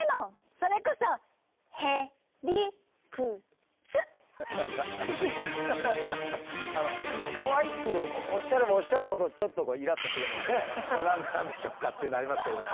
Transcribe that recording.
それこそあのかわいくおっしゃればおっしゃるほどちょっとこう何なんでしょうかというのはありますけれども。